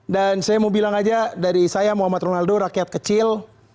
dan saya mau bilang aja dari saya muhammad ronaldo rakyat kecil